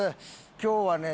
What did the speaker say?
今日はね